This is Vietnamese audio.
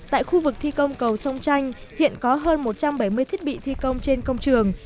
tại khu vực thi công cầu sông chanh hiện có hơn một trăm bảy mươi thiết bị thi công trên công trường